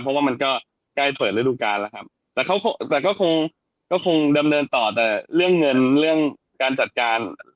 เพราะว่ามันก็ใกล้เปิดฤดูการแล้วครับแต่เขาแต่ก็คงก็คงดำเนินต่อแต่เรื่องเงินเรื่องการจัดการ